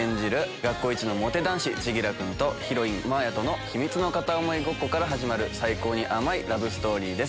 学校イチのモテ男子千輝君とヒロイン真綾との秘密の片思いごっこから始まる最高に甘いラブストーリーです。